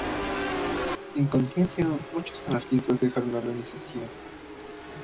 En consecuencia, muchos anarquistas dejaron la organización.